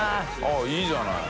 あっいいじゃない。